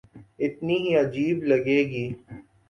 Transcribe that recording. اتنی ہی عجیب لگے گی۔